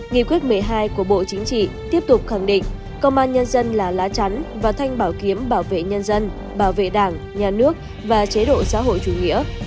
nghị quyết một mươi hai của bộ chính trị tiếp tục khẳng định công an nhân dân là lá chắn và thanh bảo kiếm bảo vệ nhân dân bảo vệ đảng nhà nước và chế độ xã hội chủ nghĩa